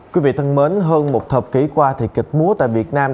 quý vị thân mến hơn một thập kỷ qua thì kịch múa tại việt nam